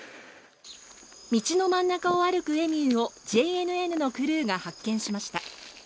道の真ん中を歩くエミューをＪＮＮのクルーが発見しました。